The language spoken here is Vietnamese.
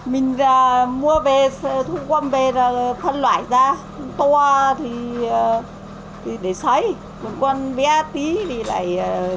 mình mua về thu con về là phân loại ra to thì để xáy còn con bé tí thì lại